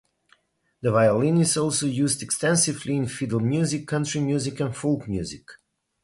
The violin is also used extensively in fiddle music, country music, and folk music.